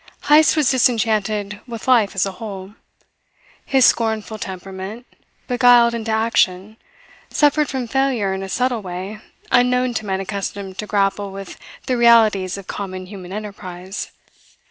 Heyst was disenchanted with life as a whole. His scornful temperament, beguiled into action, suffered from failure in a subtle way unknown to men accustomed to grapple with the realities of common human enterprise.